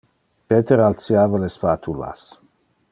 Peter altiava le spatulas.